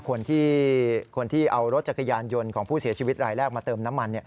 คนที่เอารถจักรยานยนต์ของผู้เสียชีวิตรายแรกมาเติมน้ำมัน